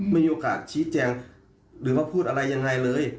มีโอกาสชี้แจงหรือว่าพูดอะไรยังไงเลย